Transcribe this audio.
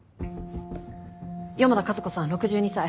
四方田和子さん６２歳。